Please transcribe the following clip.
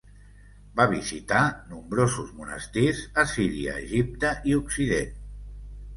Va visitar també nombrosos monestirs a Síria, Egipte i Occident.